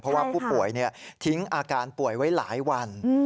เพราะว่าผู้ป่วยทิ้งอาการป่วยไว้หลายวัน